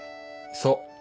そう。